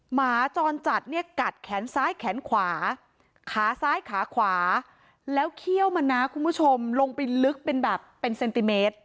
หมาจรจัดเนี่ยกัดแขนซ้ายแขนขวาขาซ้ายขาขวาแล้วเขี้ยวมันนะคุณผู้ชมลงไปลึกเป็นแบบเป็นเซนติเมตร